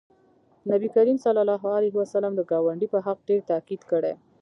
نبي کریم صلی الله علیه وسلم د ګاونډي په حق ډېر تاکید کړی